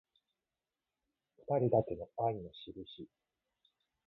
ふたりだけの愛のしるし